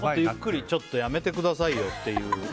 ゆっくりとちょっと、やめてくださいよって。